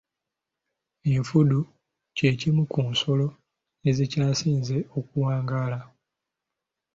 Enfudu kye kimu ku nsolo ezikyasinze okuwangaala.